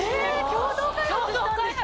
共同開発したんですか